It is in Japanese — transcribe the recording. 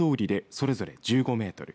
それぞれ１５メートル